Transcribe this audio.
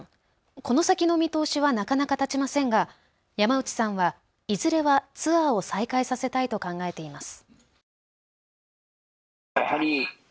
この先の見通しはなかなか立ちませんが山内さんはいずれはツアーを再開させたいと考えています。